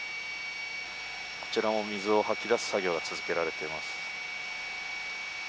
こちらも水を吐き出す作業が続けられています。